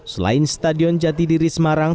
selain stadion jatidiri semarang